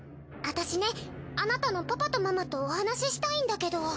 私ねあなたのパパとママとお話したいんだけど。